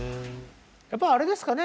やっぱりあれですかね。